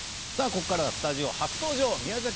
ここからはスタジオ初登場宮崎